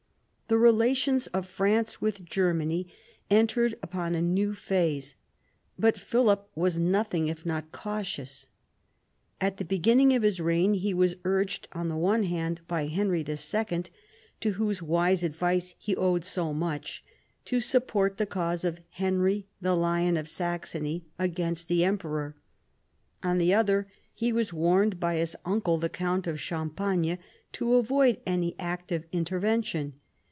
The relations of France with Germany entered upon a new phase. But Philip was nothing if not cautious. At the begin ning of his reign he was urged on the one hand by Henry II., to whose wise advice he owed so much, to support the cause of Henry the Lion of Saxony against the Emperor ; on the other he was warned by his uncle the count of Champagne to avoid any active interven tion.